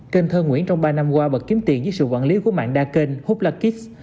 kênh thơ nguyễn trong ba năm qua bật kiếm tiền với sự quản lý của mạng đa kênh hoopla kids